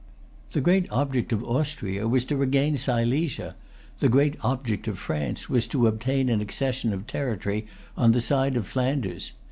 The great object of Austria was to[Pg 297] regain Silesia; the great object of France was to obtain an accession of territory on the side of Flanders.